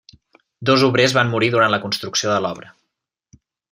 Dos obrers van morir durant la construcció de l'obra.